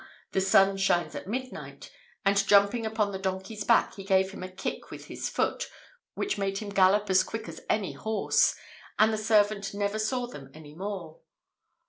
the sun shines at midnight!' and jumping upon the donkey's back, he gave him a kick with his foot, which made him gallop as quick as any horse, and the servant never saw them any more!